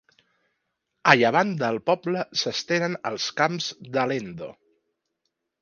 A llevant del poble s'estenen els Camps d'Alendo.